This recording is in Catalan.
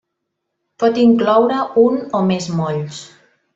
Pot incloure un o més molls.